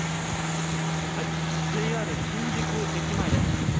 ＪＲ新宿駅前です。